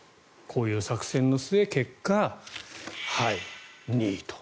こういう作戦の末結果、２位と。